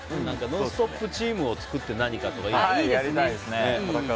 「ノンストップ！」チームを作って何かとか、いいですね。